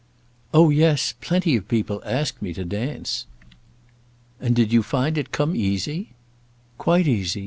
"Oh, yes; plenty of people asked me to dance." "And did you find it come easy?" "Quite easy.